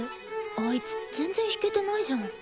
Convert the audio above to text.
あいつ全然弾けてないじゃん。